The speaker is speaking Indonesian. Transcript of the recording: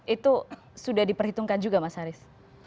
itu sudah diperhitungkan juga mas haris